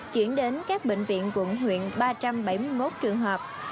chuyển đến các bệnh viện quận huyện ba trăm bảy mươi một trường hợp